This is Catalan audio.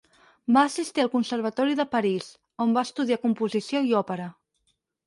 Va assistir al Conservatori de París, on va estudiar composició i òpera.